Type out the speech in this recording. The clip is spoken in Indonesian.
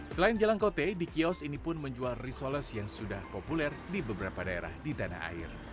selain jalan kote di kios ini pun menjual risoles yang sudah populer di beberapa daerah di tanah air